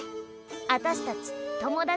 あたしたち友達でしょ？